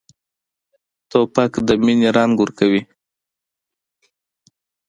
توپک د مینې رنګ ورکوي.